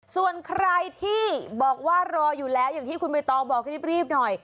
ส่วนใครที่บอกว่ารออยู่แล้วอย่างที่คุณใบตองบอกรีบหน่อย